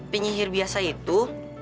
penyihir biasa itu